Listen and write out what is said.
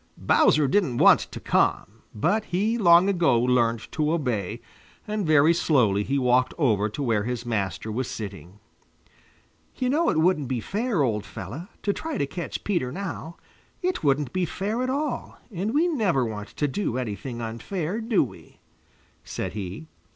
Bowser didn't want to come, but he long ago learned to obey, and very slowly he walked over to where his master was sitting. "You know it wouldn't be fair, old fellow, to try to catch Peter now. It wouldn't be fair at all, and we never want to do anything unfair, do we?" said he.